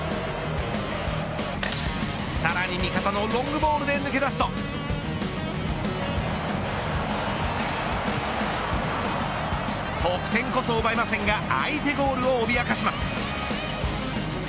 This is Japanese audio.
さらに味方のロングボールで抜け出すと得点こそ奪えませんが相手ゴールをおびやかします。